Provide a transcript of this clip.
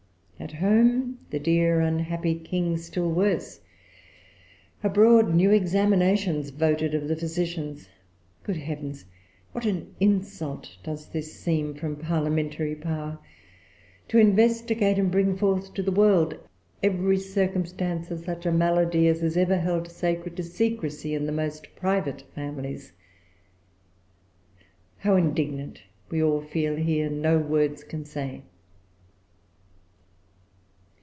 At home the dear unhappy King still worse; abroad new examinations voted of the physicians. Good heavens! what an insult does this seem from parliamentary power, to investigate and bring forth to the world every circumstance of such a malady as is ever held sacred to secrecy in the most private families! How indignant we all feel here, no words can say."